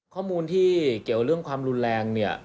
ข้อมูลที่เกี่ยวเรื่องความรุนแรงเนี่ย